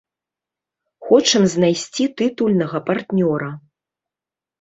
Хочам знайсці тытульнага партнёра.